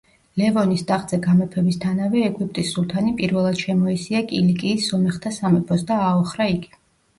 ლევონის ტახტზე გამეფებისთანავე ეგვიპტის სულთანი პირველად შემოესია კილიკიის სომეხთა სამეფოს და ააოხრა იგი.